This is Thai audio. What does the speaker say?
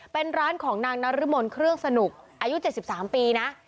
เป็นร้านของนางนรมนเครื่องสนุกอายุ๗๓ปีนะ